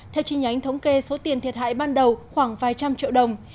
theo chi nhánh thống kê số tiền thiệt hại ban đầu khoảng vài trăm triệu đồng